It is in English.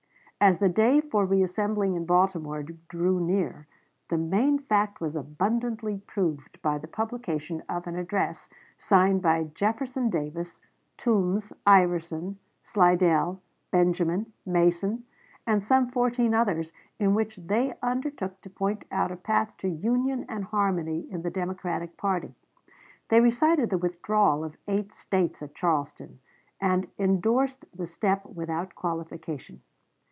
As the day for reassembling in Baltimore drew near, the main fact was abundantly proved by the publication of an address, signed by Jefferson Davis, Toombs, Iverson, Slidell, Benjamin, Mason, and some fourteen others, in which they undertook to point out a path to union and harmony in the Democratic party. They recited the withdrawal of eight States at Charleston, and indorsed the step without qualification.